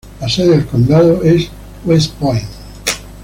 La sede del condado es West Point.